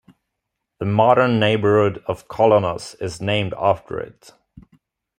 The modern neighborhood of Kolonos is named after it.